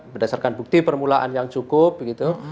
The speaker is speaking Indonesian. berdasarkan bukti permulaan yang cukup gitu